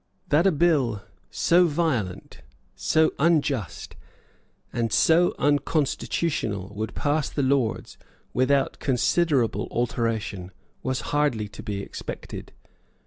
That a bill so violent, so unjust, and so unconstitutional would pass the Lords without considerable alteration was hardly to be expected.